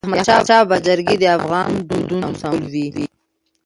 د احمدشاه بابا جرګي د افغان دودونو سمبول وي.